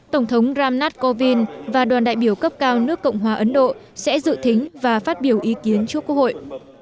tổng thống ramnath kovind và đoàn đại biểu cấp cao nước cộng hòa ấn độ sẽ dự thính và phát biểu ý kiến trước quốc hội